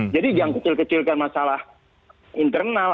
jadi jangan kecil kecilkan masalah internal